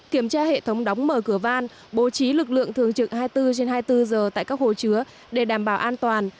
kiểm tra hệ thống đóng mở cửa van bố trí lực lượng thường trực hai mươi bốn trên hai mươi bốn giờ tại các hồ chứa để đảm bảo an toàn